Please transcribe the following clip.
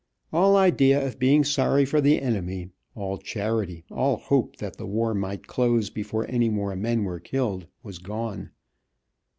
All idea of being sorry for the enemy, all charity, all hope that the war might close before any more men were killed, was gone.